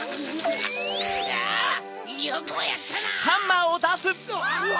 くそよくもやったな！わ！